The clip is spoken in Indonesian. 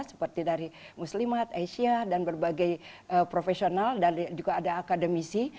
seperti dari muslimat asia dan berbagai profesional dan juga ada akademisi